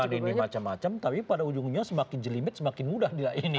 jangan ada ini macam macam tapi pada ujungnya semakin jelimet semakin mudah